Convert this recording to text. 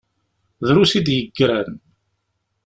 Drus i d-yeggran.